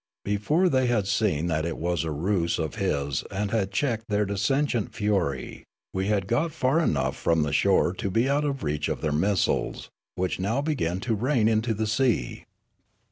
Before the}' had seen that it was a ruse of his and had checked their dissentient fnry, we had got far enough from the shore to be out of reach of their missiles, which now began to rain into the sea.